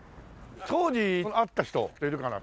当時会った人っているかな？